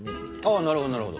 ああなるほどなるほど。